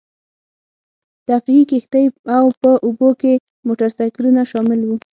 تفریحي کښتۍ او په اوبو کې موټرسایکلونه شامل وو.